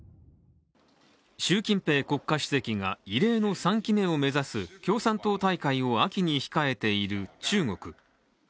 習近平国家主席が異例の３期目を目指す共産党大会を秋に控えている中国。